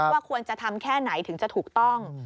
ว่าควรจะทำแค่ไหนถึงจะถูกต้อง